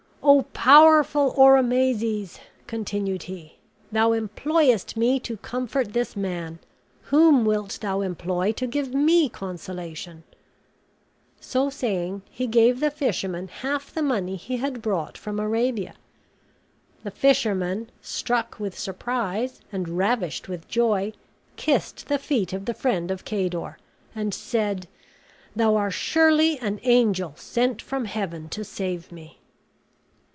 "O powerful Oromazes!" continued he, "thou employest me to comfort this man; whom wilt thou employ to give me consolation?" So saying, he gave the fisherman half the money he had brought from Arabia. The fisherman, struck with surprise and ravished with joy, kissed the feet of the friend of Cador, and said, "Thou are surely an angel sent from Heaven to save me!"